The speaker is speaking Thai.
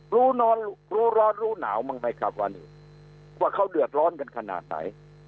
รู้รู้ร้อนรู้หนาวบ้างไหมครับว่านี่ว่าเขาเดือดร้อนกันขนาดไหน